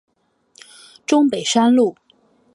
中山北路